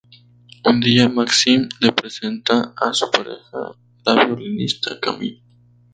Un día Maxime le presenta a su pareja, la violinista Camille.